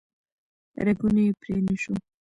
رګونه یې پرې نه شو